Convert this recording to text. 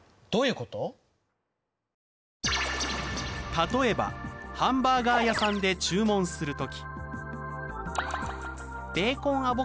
例えばハンバーガー屋さんで注文する時。